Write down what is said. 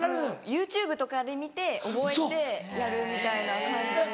ＹｏｕＴｕｂｅとかで見て覚えてやるみたいな感じです。